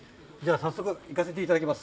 早速いかせていただきます。